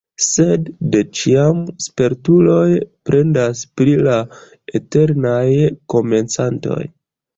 Sed de ĉiam spertuloj plendas pri la eternaj komencantoj.